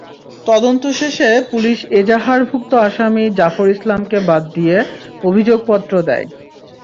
তদন্ত শেষে পুলিশ এজাহারভুক্ত আসামি জাফর ইসলামকে বাদ দিয়ে অভিযোগপত্র দেয়।